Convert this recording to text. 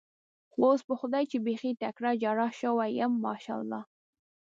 خو اوس په خدای چې بېخي تکړه جراح شوی یم، ماشاءالله.